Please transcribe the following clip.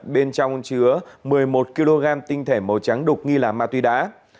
bên trong chứa một mươi một kg tinh thể màu trắng đục nghi là ma túy đá